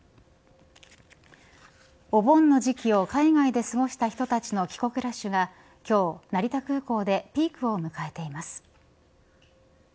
お盆の時期を海外で過ごした人たちの帰国ラッシュが今日、成田空港でピークを迎えています。